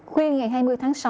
khuyên ngày hai mươi tháng sáu